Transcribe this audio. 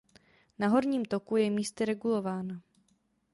Na horním toku je místy regulována.